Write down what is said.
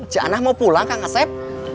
cik anah mau pulang kak ngaset